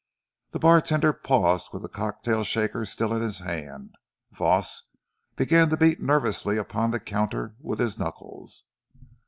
The bartender paused with the cocktail shaker still in his hand. Voss began to beat nervously upon the counter with his knuckles.